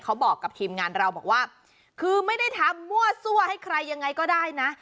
เขาบอกกับทีมงานเราบอกว่าคือไม่ได้ทำมั่วซั่วให้ใครยังไงก็ได้นะ